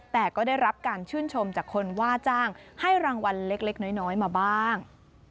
แต่ก็ได้รับการชื่นชมจากคนว่าจ้างให้รางวัลเล็กน้อยมาบ้าง